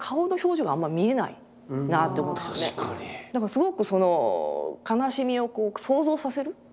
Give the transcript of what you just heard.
すごくその悲しみを想像させる。